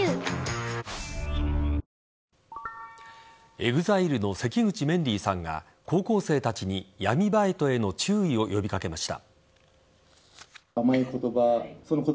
ＥＸＩＬＥの関口メンディーさんが高校生たちに闇バイトへの注意を呼び掛けました。